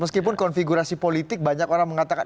meskipun konfigurasi politik banyak orang mengatakan